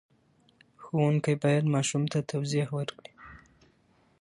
ښوونکی باید ماشوم ته توضیح ورکړي.